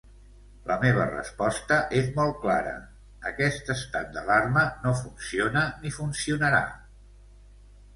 La meva resposta és molt clara: aquest estat d’alarma no funciona ni funcionarà.